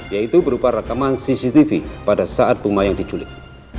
yaitu berupa rekaman cctv pada saat rumah yang diculik